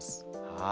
はい。